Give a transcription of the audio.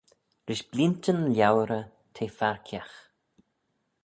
Rish bleeantyn liauyrey t'eh farkiagh.